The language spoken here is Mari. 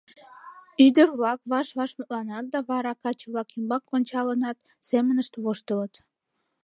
Ӱдыр-влак ваш-ваш мутланат да вара каче-влак ӱмбак ончалынат, семынышт воштылыт.